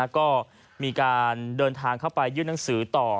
ก็มีการเดินทางเข้าไปยื่นหนังสือต่อ